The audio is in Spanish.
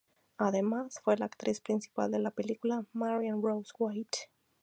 Además, fue la actriz principal de la película "Marian Rose White".